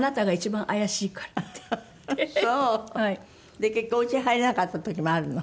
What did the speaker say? で結局お家に入れなかった時もあるの？